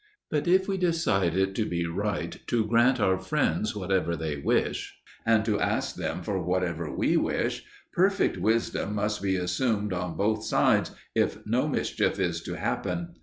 But if we decide it to be right to grant our friends whatever they wish, and to ask them for whatever we wish, perfect wisdom must be assumed on both sides if no mischief is to happen.